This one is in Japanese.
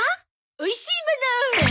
おいしいもの！